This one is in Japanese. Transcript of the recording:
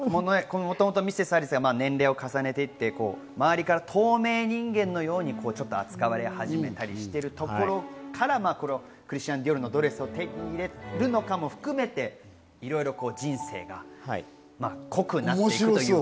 もともとミセス・ハリスが年齢を重ねていって周りから透明人間のように扱われ始めたりしているところからクリスチャン・ディオールのドレスを手に入れるのかも含めていろいろ人生が濃くなっていく。